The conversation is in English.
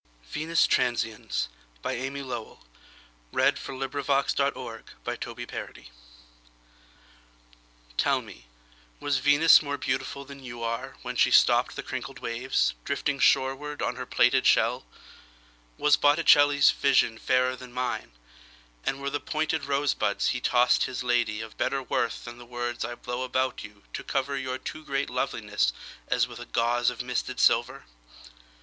e, ed. (1860–1936). The New Poetry: An Anthology. 1917. Venus Transiens By Amy Lowell TELL me, Was Venus more beautifulThan you are, When she stoppedThe crinkled waves, Drifting shorewardOn her plaited shell? Was Botticelli's visionFairer than mine; And were the pointed rosebudsHe tossed his ladyOf better worthThan the words I blow about youTo cover your too great lovelinessAs with a gauzeOf misted silver?